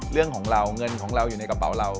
เรื่องของเราเงินของเราอยู่ในกระเป๋าเรา